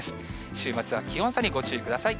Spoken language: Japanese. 週末は気温差にご注意ください。